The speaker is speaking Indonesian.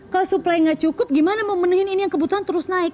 kalau suplai gak cukup gimana memenuhi ini yang kebutuhan terus naik